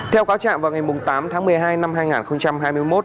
theo cáo trạng vào ngày tám tháng một mươi hai năm hai nghìn hai mươi một